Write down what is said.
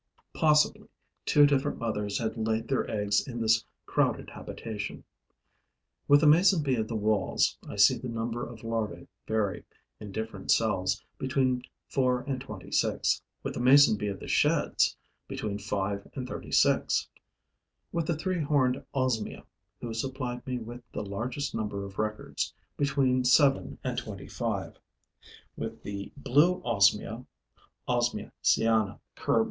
Possibly, two different mothers had laid their eggs in this crowded habitation. With the Mason bee of the Walls, I see the number of larvae vary, in different cells, between four and twenty six; with the mason bee of the Sheds, between five and thirty six; with the three horned Osmia, who supplied me with the largest number of records, between seven and twenty five; with the blue Osmia (Osmia cyanea, KIRB.)